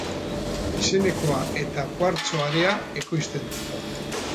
Izenekoa eta kuartzo-area ekoizten du.